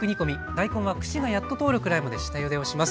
大根は串がやっと通るくらいまで下ゆでをします。